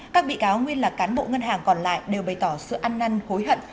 các bị cáo nguyên là cán bộ ngân hàng còn lại đều bày tỏ sự ăn năn hối hận